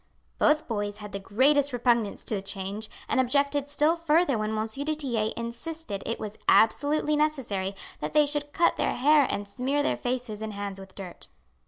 Both boys had the greatest repugnance to the change, and objected still further when M. du Tillet insisted it was absolutely necessary that they should cut their hair and smear their faces and hands with dirt.